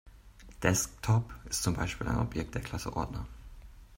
Desktop ist zum Beispiel ein Objekt der Klasse Ordner.